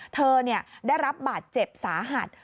เธอได้รับบาดเจ็บสาหัส